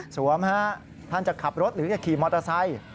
ท่านจะขับรถหรือจะขี่มอเตอร์ไซค์